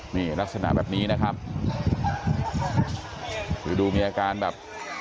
นี่ลักษณะแบบนี้นะครับคือดูมีอาการแบบ